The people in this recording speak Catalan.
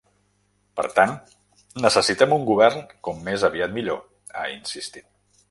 Per tant necessitem un govern com més aviat millor, ha insistit.